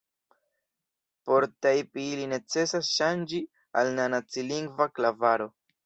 Por tajpi ilin necesas ŝanĝi al nacilingva klavaro.